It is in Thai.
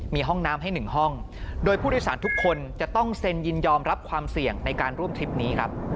มีห้องน้ำให้๑ห้องโดยผู้โดยสารทุกคนจะต้องเซ็นยินยอมรับความเสี่ยงในการร่วมทริปนี้ครับ